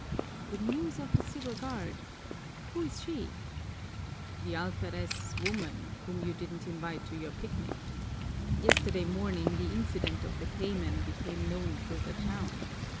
"The Muse of the Civil Guard? Who is she?" "The alferez's woman, whom you didn't invite to your picnic. Yesterday morning the incident of the cayman became known through the town.